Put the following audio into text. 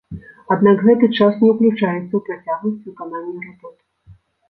Аднак гэты час не ўключаецца ў працягласць выканання работ.